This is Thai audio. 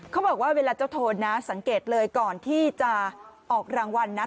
เขาบอกว่าเวลาเจ้าโทนนะสังเกตเลยก่อนที่จะออกรางวัลนะ